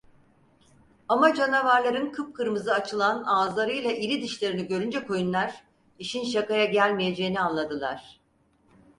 Ama canavarların kıpkırmızı açılan ağızlarıyla iri dişlerini görünce koyunlar işin şakaya gelmeyeceğini anladılar.